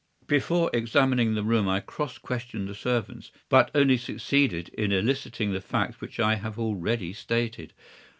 "Before examining the room I cross questioned the servants, but only succeeded in eliciting the facts which I have already stated.